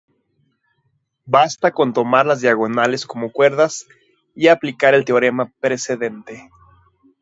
Basta con tomar las diagonales como cuerdas, y aplicar el teorema precedente.